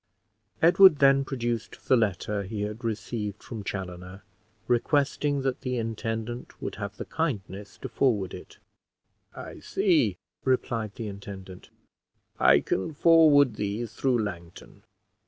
Edward then produced the letter he had received from Chaloner, requesting that the intendant would have the kindness to forward it. "I see," replied the intendant; "I can forward these through Langton.